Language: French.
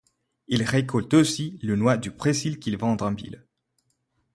Ils récoltent aussi les noix du Brésil qu’ils vendent en ville.